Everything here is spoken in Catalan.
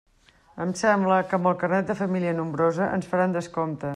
Em sembla que amb el carnet de família nombrosa ens faran descompte.